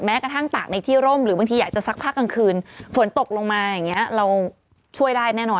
กระทั่งตากในที่ร่มหรือบางทีอยากจะสักพักกลางคืนฝนตกลงมาอย่างนี้เราช่วยได้แน่นอน